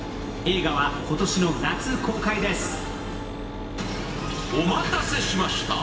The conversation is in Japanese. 映画は今年の夏公開です。